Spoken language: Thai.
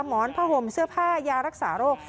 หมอนผ้าห่มเสื้อผ้ายารักษาโรค